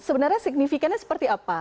sebenarnya signifikannya seperti apa